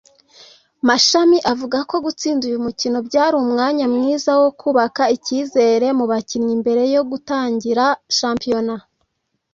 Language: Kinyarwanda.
Mashami avuga ko gutsinda uyu mukino byari umwanya mwiza wo kubaka icyizere mu bakinnyi mbere yo gutangira shampiyona